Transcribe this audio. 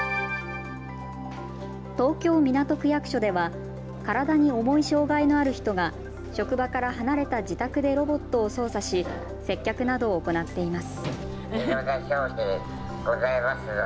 東京港区役所では体に重い障害のある人が職場から離れた自宅でロボットを操作し接客などを行っています。